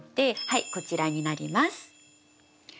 はいこちらになります。